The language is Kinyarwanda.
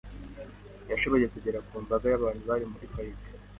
Yashoboye kugera ku mbaga y'abantu bari muri parike .